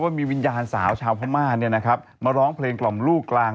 มีวิญญาณสาวชาวพม่ามาร้องเพลงกล่อมลูกกลาง